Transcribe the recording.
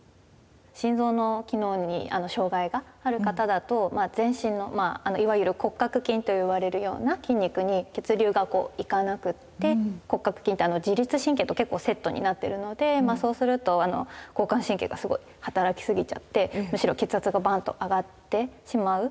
心臓の機能に障害がある方だと全身のいわゆる骨格筋といわれるような筋肉に血流がこう行かなくって骨格筋って自律神経と結構セットになってるのでそうすると交感神経がすごい働き過ぎちゃってむしろ血圧がバンと上がってしまう。